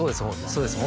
そうです